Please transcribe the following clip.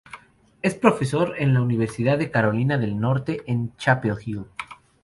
Es profesor en la Universidad de Carolina del Norte en Chapel Hill.